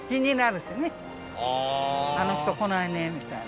「あの人来ないね」みたいな。